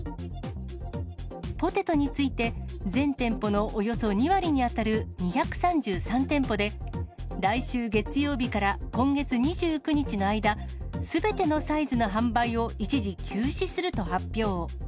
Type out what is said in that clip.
ポテトについて、全店舗のおよそ２割に当たる２３３店舗で、来週月曜日から今月２９日の間、すべてのサイズの販売を一時休止すると発表。